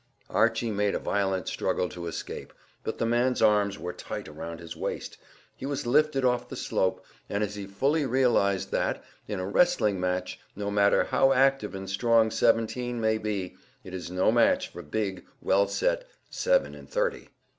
Archy made a violent struggle to escape, but the man's arms were tight round his waist, he was lifted off the slope, and as he fully realised that, in a wrestling match, no matter how active and strong seventeen may be, it is no match for big, well set seven and thirty.